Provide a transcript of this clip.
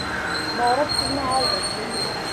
Borib pulni oldi